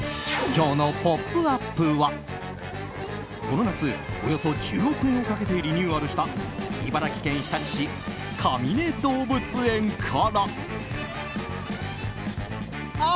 今日の「ポップＵＰ！」はこの夏、およそ１０億円をかけてリニューアルした茨城県日立市かみね動物園から。